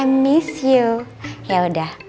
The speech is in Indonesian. i miss you yaudah